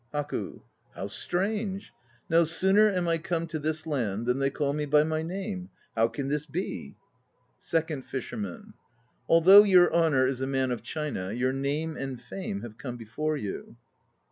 HAKU. How strange! No sooner am I come to this land than they call me by my name! How can this be? SECOND FISHERMAN. Although your Honour is a man of China, your name and fame have come before you.